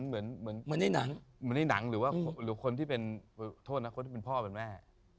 เหมือนภาษาีที่เป็นพ่อแม่